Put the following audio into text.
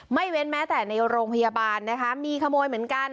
เว้นแม้แต่ในโรงพยาบาลนะคะมีขโมยเหมือนกัน